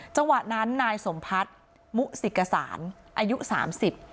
จังหวะนั้นนายสมพัฒน์มุสิกษานอายุสามสิบ